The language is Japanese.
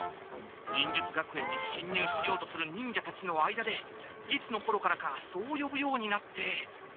忍術学園にしんにゅうしようとする忍者たちの間でいつのころからかそうよぶようになって。